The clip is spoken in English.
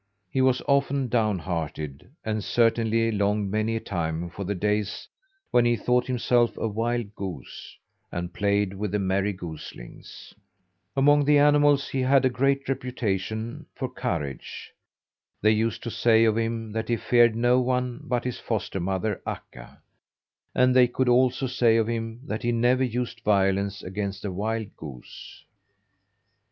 He was often downhearted, and certainly longed many a time for the days when he thought himself a wild goose, and played with the merry goslings. Among the animals he had a great reputation for courage. They used to say of him that he feared no one but his foster mother, Akka. And they could also say of him that he never used violence against a wild goose.